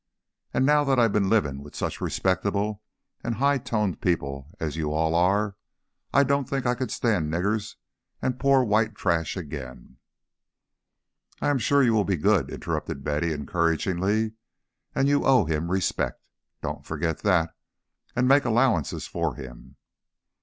And now that I've been living with such respectable and high toned people as you all are, I don't think I could stand niggers and poor white trash again " "I am sure you will be good," interrupted Betty, encouragingly. "And you owe him respect. Don't forget that, and make allowances for him."